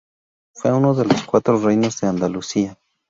Fue uno de los cuatro reinos de Andalucía.